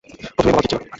প্রথমেই বলা উচিত ছিল।